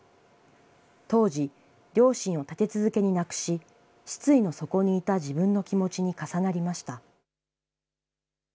当時、両親を立て続けに亡くし、失意の底にいた自分の気持ちに重なりました。